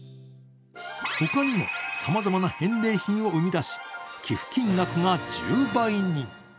他にもさまざまな返礼品を生み出し、寄付金額が１０倍に。